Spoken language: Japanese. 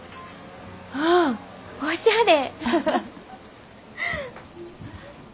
ああおしゃれ！